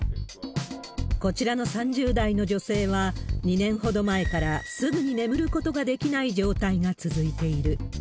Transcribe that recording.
こちらの３０代の女性は、２年ほど前から、すぐに眠ることができない状態が続いている。